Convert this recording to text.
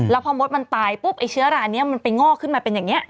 แล้วพอมดมันตายปุ๊บไอ้เชื้อรานี้มันไปงอกขึ้นมาเป็นอย่างนี้